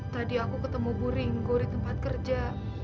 tadi aku ketemu bu ringo di tempat kerja